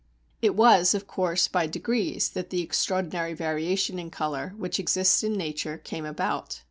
It was, of course, by degrees that the extraordinary variation in colour, which exists in nature, came about.